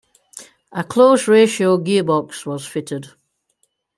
A close-ratio gearbox was fitted.